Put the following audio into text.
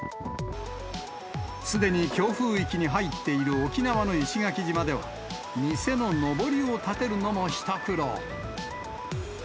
すでに強風域に入っている沖縄の石垣島では、店ののぼりを立てるのも一苦労。